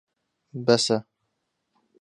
بەسە.